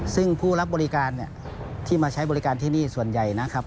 ซึ่งผู้รับบริการที่มาใช้บริการที่นี่ส่วนใหญ่นะครับ